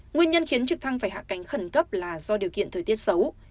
nguyên nhân khiến trực thăng phải hạ cánh khẩn cấp là do điều kiện thời tiết xấu